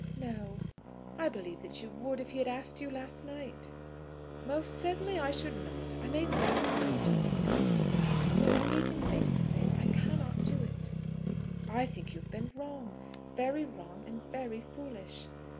"No." "I believe that you would, if he had asked you last night." "Most certainly I should not. I may doubt when I am talking behind his back; but when I meet him face to face I cannot do it." "I think you have been wrong, very wrong and very foolish."